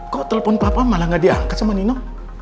kok telfon papa malah nggak diangkat sama nino